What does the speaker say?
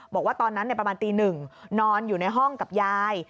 บอกว่าตอนนั้นประมาณตีหนึ่งนอนอยู่ในห้องกับยาย